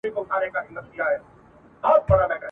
څوک دی چي دلته زموږ قاتل نه دی ..